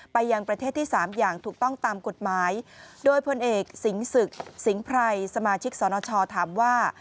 ยังประเทศที่สามอย่างถูกต้องตามกฎหมายโดยพลเอกสิงศึกสิงห์ไพรสมาชิกสนชถามว่า